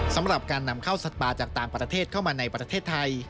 สำหรับการนำเข้าสัตว์ป่าจากต่างประเทศเข้ามาในประเทศไทย